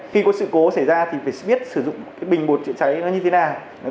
khi có sự cố xảy ra thì phải biết sử dụng cái bình bột chữa cháy nó như thế nào